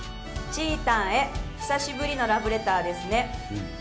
ちーたんへ久しぶりのラブレターですね。